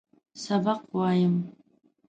سبق وایم.